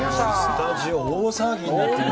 スタジオ大騒ぎになってる。